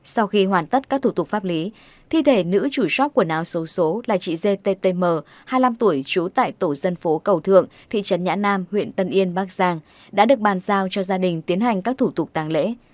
sau khi hoàn tất các thủ tục pháp lý thi thể nữ chủ shop quần áo số số là chị gttm hai mươi năm tuổi trú tại tổ dân phố cầu thượng thị trấn nhã nam huyện tân yên bắc giang đã được bàn giao cho gia đình tiến hành các thủ tục tàng lễ